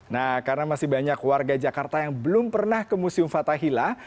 nah karena masih banyak warga jakarta yang belum pernah ke museum fathahila